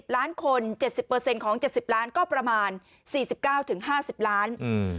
ล้านคน๗๐ของ๗๐ล้านก็ประมาณ๔๙๕๐ล้าน